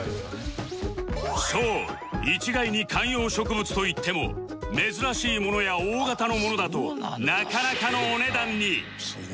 そう一概に観葉植物といっても珍しいものや大型のものだとなかなかのお値段に